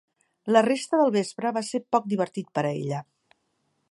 La resta del vespre va ser poc divertit per a ella.